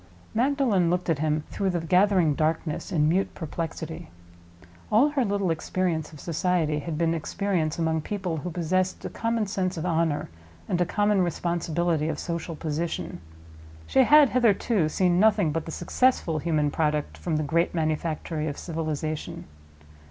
Magdalen looked at him through the gathering darkness in mute perplexity. All her little experience of society had been experience among people who possessed a common sense of honor, and a common responsibility of social position. She had hitherto seen nothing but the successful human product from the great manufactory of Civilization.